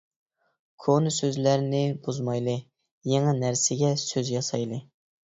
كونا سۆزلەرنى بۇزمايلى، يېڭى نەرسىگە سۆز ياسايلى.